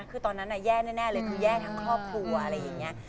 คือตอนนั้นแย่แน่เลยคือแย่ทั้งครอบครัวอะไรอย่างนี้